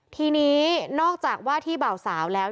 ทีนี้นอกจากว่าที่เบาสาวแล้ว